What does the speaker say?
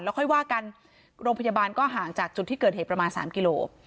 ค่อยว่ากันโรงพยาบาลก็ห่างจากจุดที่เกิดเหตุประมาณ๓กิโล